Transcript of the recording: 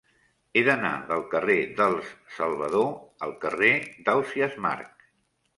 He d'anar del carrer dels Salvador al carrer d'Ausiàs Marc.